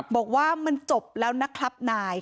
บอกว่ามันจบแล้วนะครับนาย